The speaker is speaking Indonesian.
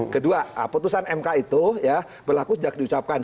kedua putusan m k itu berlaku sejak diucapkan